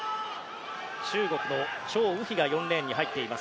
中国のチョウ・ウヒが４レーンに立っています。